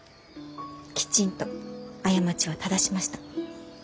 きちんと過ちを正しました。